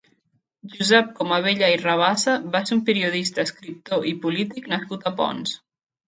Josep Comabella i Rabassa va ser un periodista, escriptor i polític nascut a Ponts.